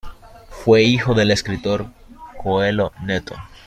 Fue hijo del escritor Coelho Neto.